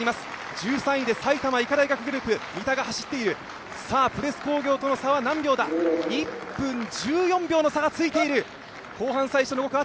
１３位で埼玉医科大学グループ三田が走っている、プレス工業との差は１分１４秒の差がついている。